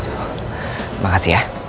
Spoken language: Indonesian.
terima kasih ya